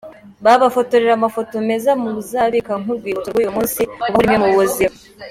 babafotorera amafoto meza muzabika nk'urwibutso rw'uyu munsi ubaho rimwe mu buzima.